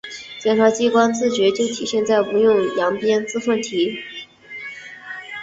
检察机关的自觉就体现在‘不用扬鞭自奋蹄’